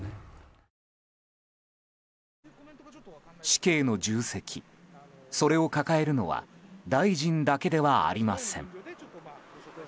死刑の重責、それを抱えるのは大臣だけではありません。